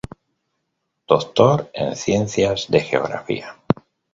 Doctor en Ciencias de Geografía.